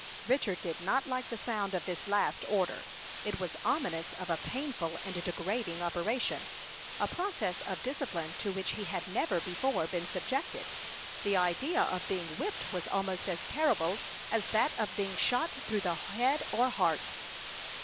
Richard did not like the sound of this last order. It was ominous of a painful and degrading operation, a process of discipline to which he had never before been subjected. The idea of being whipped was almost as terrible as that of being shot through the head or heart.